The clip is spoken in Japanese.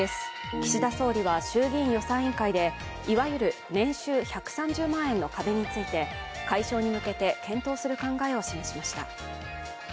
岸田総理は衆議院予算委員会でいわゆる年収１３０万円の壁について解消に向けて検討する考えを示しました。